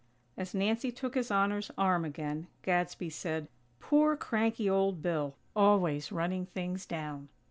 As Nancy took His Honor's arm again, Gadsby said: "Poor, cranky old Bill! Always running things down."